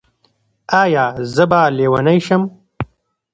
ایا زه به لیونۍ شم؟